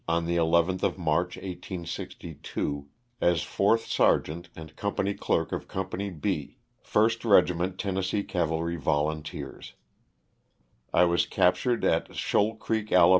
on the 11th of March, 1862, as 4th Sergeant and Company Clerk of Company B, 1st Regiment Tennessee Cavalry Volunteers. I was captured at Shoal Creek, Ala.